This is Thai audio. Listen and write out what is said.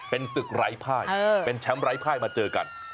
เป็นศึกไร้ภายเป็นแชมป์ไร้ภายมาเจอกัน